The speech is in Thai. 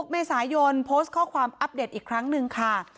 ๖เมษายนโพสต์ข้อความอัปเดตอีกครั้งหนึ่งค่ะ